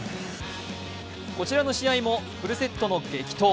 こちらの試合もフルセットの激闘。